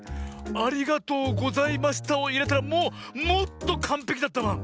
「ありがとうございました」をいえたらもうもっとかんぺきだったバン。